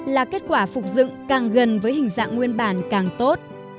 là kết quả phục dựng càng gần với hình dạng nguyên bản càng tốt